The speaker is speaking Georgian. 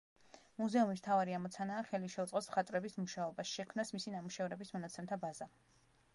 მუზეუმის მთავარი ამოცანაა ხელი შეუწყოს მხატვრების მუშაობას, შექმნას მისი ნამუშევრების მონაცემთა ბაზა.